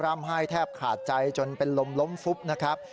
ร่ำไห้แทบขาดใจจนเป็นลมล้มฟุบนะครับ